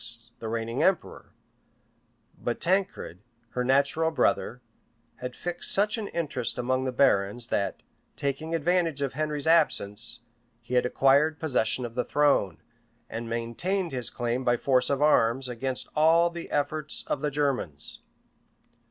the reigning emperor;[*] but Tancred, her natural brother, had fixed such an interest among the barons, that, taking advantage of Henry's absence, he had acquired possession of the throne, and maintained his claim, by force of arms, against all the efforts of the Germans.